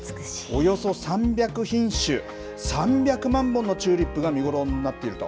およそ３００品種３００万本のチューリップが見頃になっていると。